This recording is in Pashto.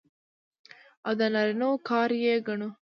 او د نارينه وو کار يې ګڼو.